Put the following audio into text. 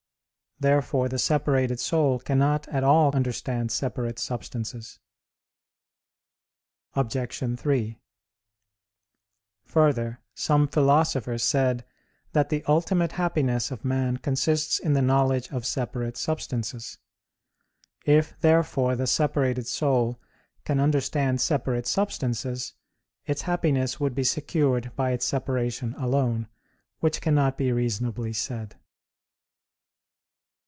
Therefore the separated soul cannot at all understand separate substances. Obj. 3: Further, some philosophers said that the ultimate happiness of man consists in the knowledge of separate substances. If, therefore, the separated soul can understand separate substances, its happiness would be secured by its separation alone; which cannot be reasonably be said.